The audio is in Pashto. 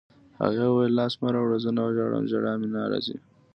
هغې وویل: لاس مه راوړه، زه نه ژاړم، ژړا مې نه راځي.